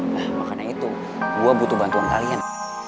nah makanya itu gue butuh bantuan kalian